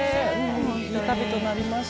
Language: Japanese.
いい旅となりました。